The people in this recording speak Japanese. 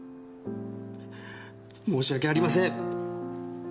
申し訳ありません。